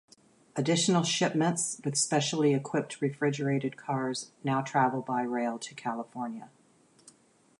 Additional shipments with specially-equipped refrigerated cars now travel by rail to California.